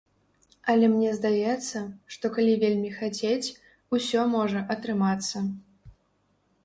Але мне здаецца, што калі вельмі хацець, усё можа атрымацца.